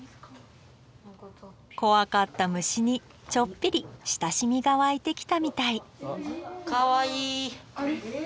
怖かった虫にちょっぴり親しみが湧いてきたみたいかわいい！